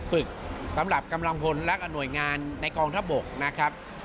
ฝึกสำหรับกำลังพลและหน่วยงานในกองทัพบกนะครับ